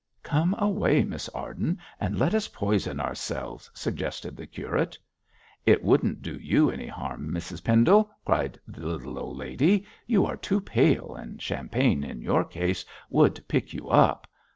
'Come away, Miss Arden, and let us poison ourselves,' suggested the curate. 'It wouldn't do you any harm, Mrs Pendle,' cried the little old lady. 'You are too pale, and champagne, in your case, would pick you up.